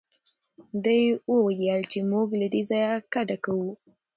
دوی وویل چې موږ له دې ځایه کډه کوو.